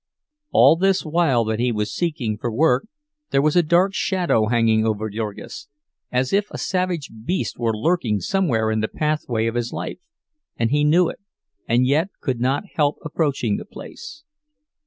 All this while that he was seeking for work, there was a dark shadow hanging over Jurgis; as if a savage beast were lurking somewhere in the pathway of his life, and he knew it, and yet could not help approaching the place.